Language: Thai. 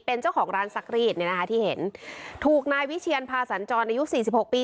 เป็นเจ้าของร้านซักรีดเนี่ยนะคะที่เห็นถูกนายวิเชียนพาสัญจรอายุสี่สิบหกปี